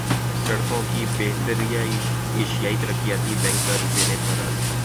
سڑکوں کی بہتریایشیائی ترقیاتی بینک قرض دینے پر راضی